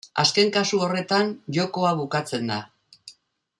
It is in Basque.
Azken kasu horretan, jokoa bukatzen da.